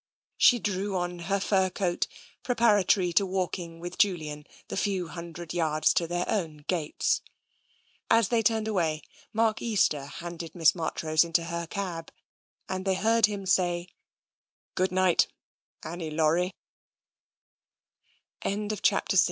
She drew on her fur coat, preparatory to walking with Julian the few hundred yards to their own gates. As they turned away, Mark Easter handed Miss Marchrose into her cab, and they heard him say, *' G